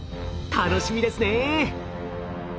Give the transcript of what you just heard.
楽しみですね。